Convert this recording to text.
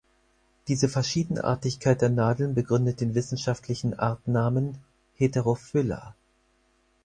Diese Verschiedenartigkeit der Nadeln begründet den wissenschaftlichen Artnamen "heterophylla".